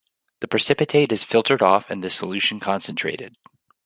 The precipitate is filtered off and the solution concentrated.